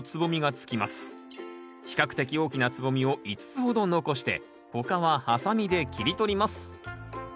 比較的大きな蕾を５つほど残して他はハサミで切り取ります。